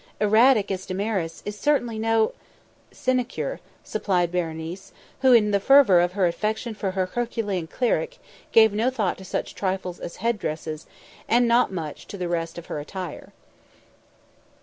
" erratic as Damaris, is certainly no " "Sinecure," supplied Berenice, who, in the fervour of her affection for her herculean cleric, gave no thought to such trifles as head dresses, and not much to the rest of her attire.